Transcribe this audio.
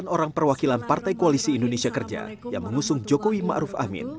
sembilan orang perwakilan partai koalisi indonesia kerja yang mengusung jokowi ma'ruf amin